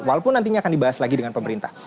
walaupun nantinya akan dibahas lagi dengan pemerintah